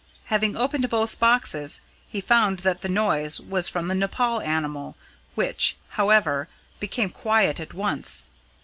Having opened both boxes, he found that the noise was from the Nepaul animal, which, however, became quiet at once.